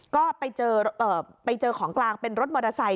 ก็ไปเจอของกลางเป็นรถมอเตอร์ไซค